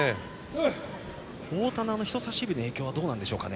太田の人さし指の影響はどうでしょうか。